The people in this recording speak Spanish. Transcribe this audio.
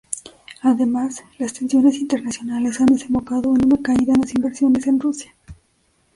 Además, las tensiones internacionales han desembocado en una caída en las inversiones en Rusia.